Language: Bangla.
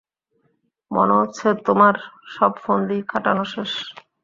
মনে হচ্ছে তোমার সব ফন্দি খাটানো শেষ।